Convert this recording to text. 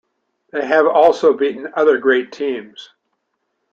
They have also beaten other great teams.